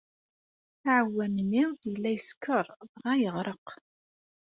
Aɛewwam-nni yella yeskeṛ dɣa yeɣreq.